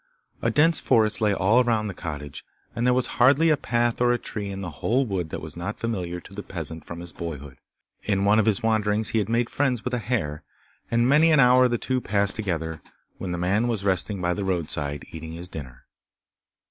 A dense forest lay all round the cottage, and there was hardly a path or a tree in the whole wood that was not familiar to the peasant from his boyhood. In one of his wanderings he had made friends with a hare, and many an hour the two passed together, when the man was resting by the roadside, eating his dinner.